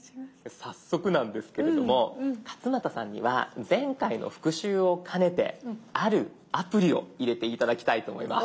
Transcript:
早速なんですけれども勝俣さんには前回の復習を兼ねてあるアプリを入れて頂きたいと思います。